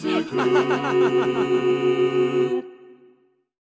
ハハハ。